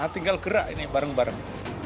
tinggal gerak ini bareng bareng